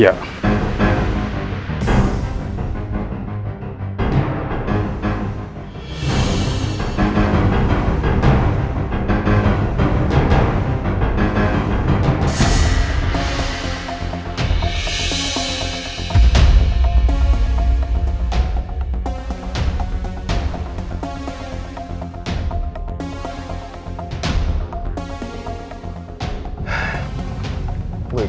jangan jangan jangan